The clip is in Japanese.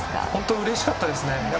うれしかったですね。